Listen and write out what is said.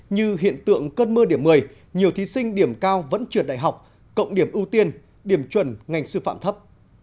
như hiện tượng cơn mưa điểm một mươi nhiều thí sinh điểm cao vẫn trượt đại học cộng điểm ưu tiên điểm chuẩn ngành sư phạm thấp